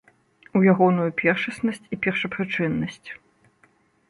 У ягоную першаснасць і першапрычыннасць.